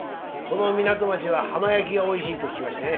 この港町は浜焼きがおいしいと聞きましてね。